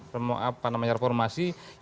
sebagai anak yang sudah dilahirkan